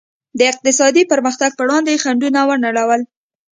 د اقتصادي پرمختګ پر وړاندې یې خنډونه ونړول.